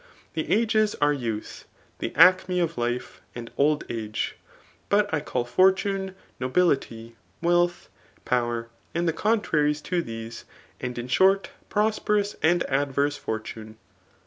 The ages are youth, the acme of life^ and old age. But I call fortune, nobifity, wealth, power, and the contraries to these, and in short, prosperous and adverse fortune.